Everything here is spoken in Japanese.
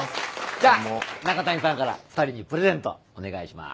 じゃあ中谷さんから２人にプレゼントお願いします。